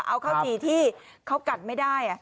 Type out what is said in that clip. เอาข้าวจี่ที่เขากัดไม่ได้